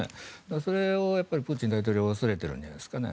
それをプーチン大統領は恐れているんじゃないですかね。